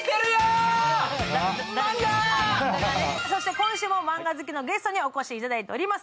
今週もマンガ好きのゲストにお越しいただいております。